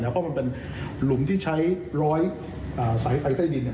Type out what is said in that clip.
เพราะมันเป็นหลุมที่ใช้ร้อยสายไฟใต้ดิน